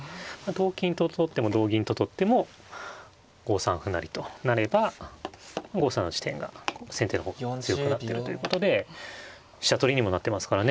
同金と取っても同銀と取っても５三歩成と成れば５三の地点が先手の方強くなってるということで飛車取りにもなってますからね